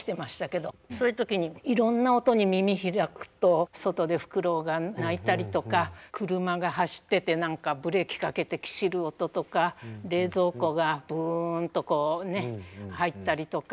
そういう時にいろんな音に耳開くと外でフクロウが鳴いたりとか車が走ってて何かブレーキかけてきしる音とか冷蔵庫がブンとこうね入ったりとか。